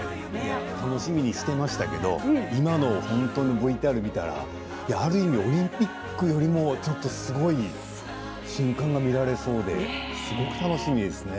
楽しみにしてましたが今のＶＴＲを見たらある意味オリンピックよりもすごい瞬間が見られそうで楽しみです。